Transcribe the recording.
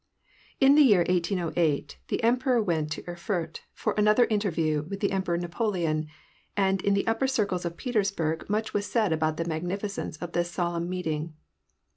In the year 1808 the emperor went to Erfurt for another interview with the Emperor Napoleon, and in the upper circles of Petersburg much was said about the magnificence of this solemn meeting.